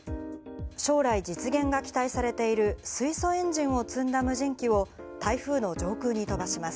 将来実現が期待されている、水素エンジンを積んだ無人機を台風の上空に飛ばします。